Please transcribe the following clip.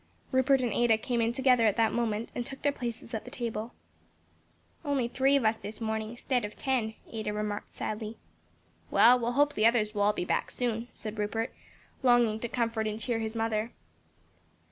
Rupert and Ada came in together at that moment and took their places at the table. "Only three of us this morning, 'stead of ten," Ada remarked sadly. "Well, we'll hope the others will all be back soon;" said Rupert, longing to comfort and cheer his mother.